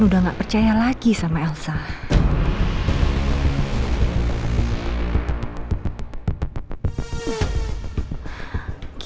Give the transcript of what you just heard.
dan besok aku ada tes pak